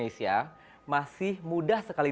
selain adalah desinfeksi